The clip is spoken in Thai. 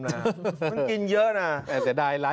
มันกินเยอะนะ